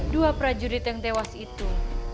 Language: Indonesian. dua prajurit yang tewas itu